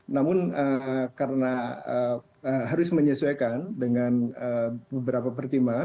namun karena harus menyesuaikan dengan beberapa pertimbangan